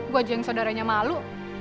gue aja yang saudaranya malu